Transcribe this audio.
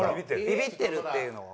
ビビってるっていうのは？